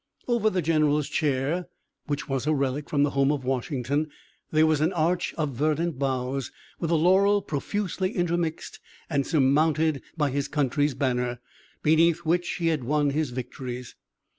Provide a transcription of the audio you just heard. Over the general's chair, which was a relic from the home of Washington, there was an arch of verdant boughs, with the laurel profusely intermixed, and surmounted by his country's banner, beneath which he had won his victories.